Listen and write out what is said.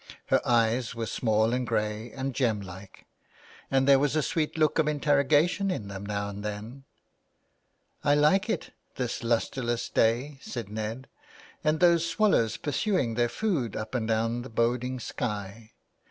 Her eyes were small and grey and gem like, and there was a sweet look of interrogation in them now and then. " I like it, this lustreless day," said Ned, " and those swallows pursuing their food up and down the boding sky.